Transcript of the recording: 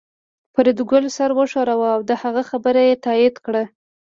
فریدګل سر وښوراوه او د هغه خبره یې تایید کړه